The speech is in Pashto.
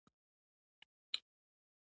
د خوړو د حساسیت لپاره د څه شي اوبه وڅښم؟